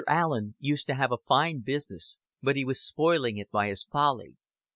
Allen used to have a fine business but he was spoiling it by his folly.